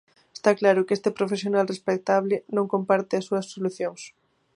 Está claro que esta profesional respectable non comparte as súas solucións.